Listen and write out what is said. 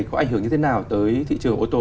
có ảnh hưởng như thế nào tới thị trường ô tô